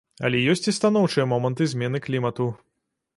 Але ёсць і станоўчыя моманты змены клімату.